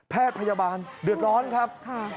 แพทย์พยาบาลเดือดร้อนครับ